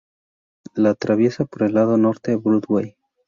Lo atraviesa por el lado norte Broadway.